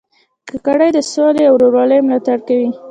کاکړي د سولې او ورورولۍ ملاتړ کوي.